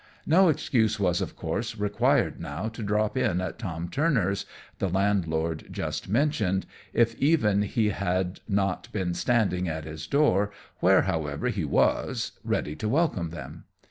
No excuse was, of course, required now to drop in at Tom Turner's, the landlord just mentioned, if even he had not been standing at his door, where, however, he was, ready to welcome them.